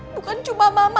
bukan cuma mama